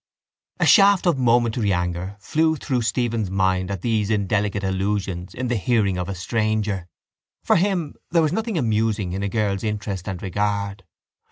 A shaft of momentary anger flew through Stephen's mind at these indelicate allusions in the hearing of a stranger. For him there was nothing amusing in a girl's interest and regard.